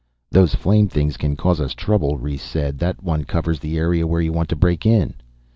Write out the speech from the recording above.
"Those flame things can cause us trouble," Rhes said. "That one covers the area where you want to break in."